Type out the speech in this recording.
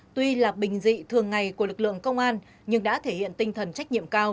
tuy là bình dị thường ngày của lực lượng công an nhưng đã thể hiện tinh thần trách nhiệm cao